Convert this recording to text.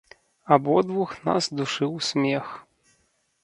Абодвух нас душыў смех.